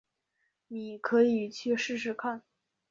妳可以去试试看